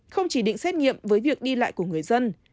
không chỉ định xét nghiệm với việc đi lại của người dân